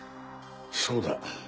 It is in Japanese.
そうだ。